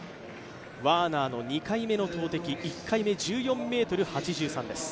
ワーナーの２回目の投てき、１回目１４ｍ８３です。